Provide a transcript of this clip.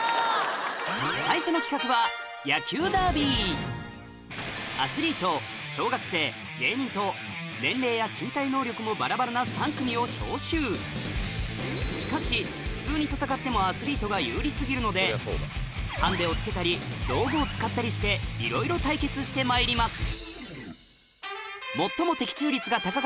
最初の企画は年齢や身体能力もバラバラな３組を招集しかし普通に戦ってもアスリートが有利過ぎるのでハンデをつけたり道具を使ったりしていろいろ対決してまいります